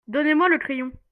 Donnez-moi le crayon.